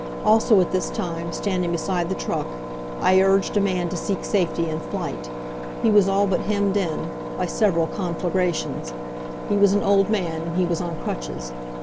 Also, at this time, standing beside the truck, I urged a man to seek safety in flight. He was all but hemmed in by several conflagrations. He was an old man and he was on crutches.